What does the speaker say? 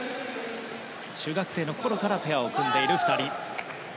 中学生の頃からペアを組んでいる２人。